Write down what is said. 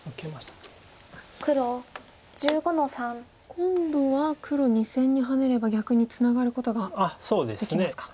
今度は黒２線にハネれば逆にツナがることができますか。